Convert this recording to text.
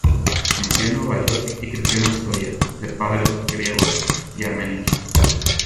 Nació en Nueva York y creció en Astoria, de padres griegos y armenios.